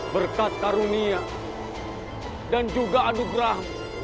berkat karunia dan juga aduk rahm